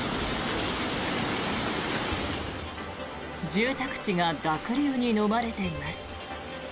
住宅地が濁流にのまれています。